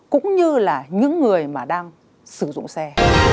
cũng như là những người mà đang sử dụng xe